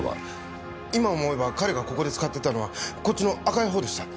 今思えば彼がここで使っていたのはこっちの赤い方でした。